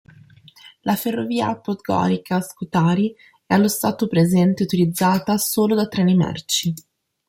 La ferrovia Podgorica-Scutari è allo stato presente utilizzata solo da treni merci.